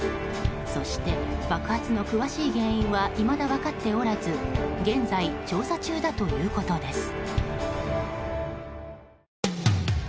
そして、爆発の詳しい原因はいまだ分かっておらず現在、調査中だということです。